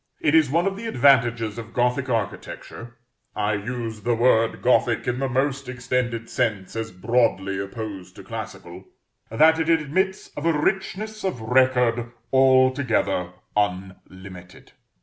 It is one of the advantages of Gothic architecture, I use the word Gothic in the most extended sense as broadly opposed to classical, that it admits of a richness of record altogether unlimited.